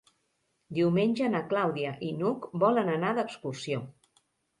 Diumenge na Clàudia i n'Hug volen anar d'excursió.